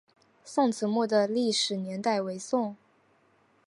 宋慈墓的历史年代为宋。